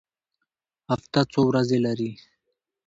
هفته څو ورځې لري؟